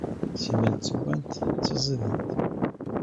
Simmal ttewwant, ttiẓident.